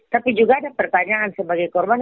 tapi juga ada pertanyaan sebagai korban